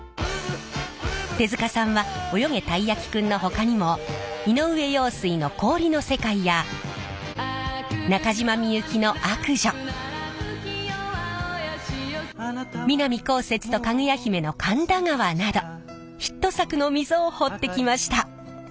手塚さんは「およげ！たいやきくん」のほかにも井上陽水の「氷の世界」や中島みゆきの「悪女」南こうせつとかぐや姫の「神田川」などヒット作の溝を彫ってきました。